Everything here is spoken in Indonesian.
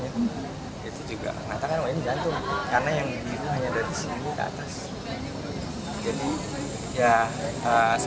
nantikan ini gantung karena yang dihitung hanya dari sini ke atas